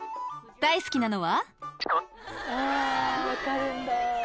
大好きなのは？